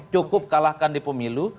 cukup kalahkan di pemilu